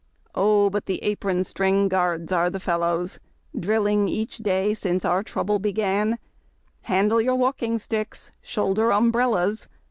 Oh, but the Apron string Guards are the fellows! Drilling each day since our trouble began, — 'Handle your walking sticks!" " IShoulder umbrellas!"